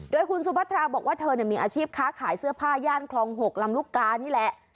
โดยคุณสุพัทราบอกว่าเธอมีอาชีพค้าขายเสื้อผ้าย่านคลอง๖ลำลูกกานี่แหละ